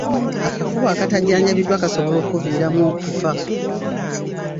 Akafuba akatajjanjabiddwa kasobola okukuviiramu okufa